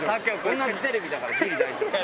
同じテレビだからギリ大丈夫！